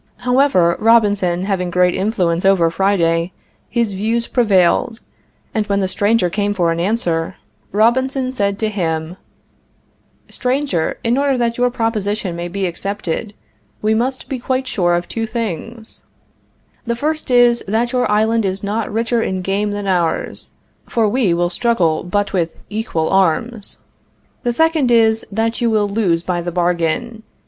However, Robinson having great influence over Friday, his views prevailed, and when the stranger came for an answer, Robinson said to him: "Stranger, in order that your proposition may be accepted, we must be quite sure of two things: "The first is, that your island is not richer in game than ours, for we will struggle but with equal arms. "The second is, that you will lose by the bargain.